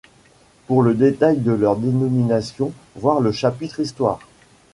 Pour le détail de leur dénomination, voir le chapitre Histoire.